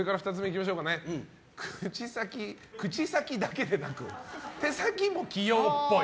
続いて口先だけでなく手先も器用っぽい。